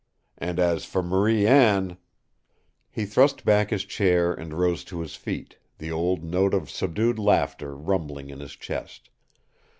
And as for Marie Anne " He thrust back his chair and rose to his feet, the old note of subdued laughter rumbling in his chest.